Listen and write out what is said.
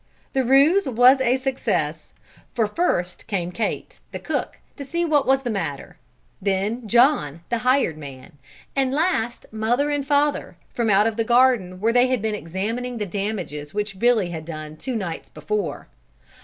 The ruse was a success, for first came Kate, the cook, to see what was the matter; then John, the hired man; and last mother and father, from out of the garden where they had been examining the damages which Billy had done two nights before.